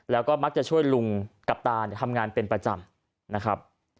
แล้วก็มักจะช่วยลุงกับตาทำงานเป็นประจำนะครับ